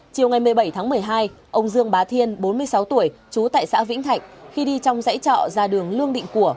chiều ngày một mươi bảy tháng một mươi hai ông dương bá thiên bốn mươi sáu tuổi trú tại xã vĩnh thạnh khi đi trong dãy trọ ra đường lương định của